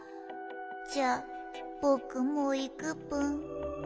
じゃあぼくもういくぷん。